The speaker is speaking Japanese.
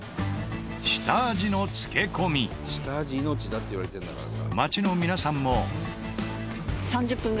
下味命だっていわれてるんだからさ。